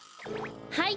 はい。